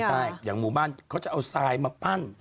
ใช่อย่างหมู่บ้านเขาจะเอาทรายมาปั้น